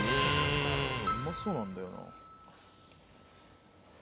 うまそうなんだよな。